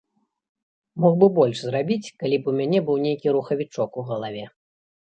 Мог бы больш зрабіць, калі б у мяне быў нейкі рухавічок у галаве.